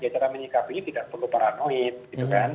cara menyikapinya tidak perlu paranoid